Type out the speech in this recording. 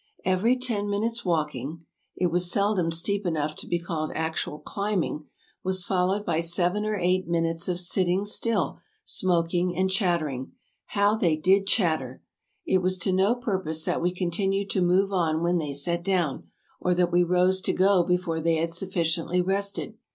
Every ten minutes' walking — it was seldom steep enough to be called actual climbing — was followed by seven or eight minutes of sitting still, smoking and chattering. How they did chatter! It was to no purpose that we continued to move on when they sat down, or that we rose to go before they had sufficiently rested.